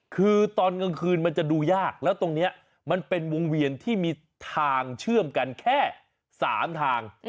คือตอนกลางคืนมันจะดูยากแล้วตรงนี้มันเป็นวงเวียนที่มีทางเชื่อมกันแค่๓ทาง